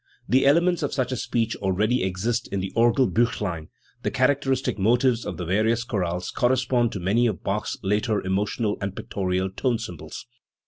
The elements of such a speech already exist in the Or gel buchlein: the characteristic motives of the various chorales correspond to many of Bach's later emotional and pictorial tone symbols.